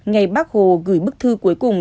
ngày bác hồ gửi bức thư cuối cùng